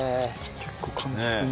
結構柑橘に。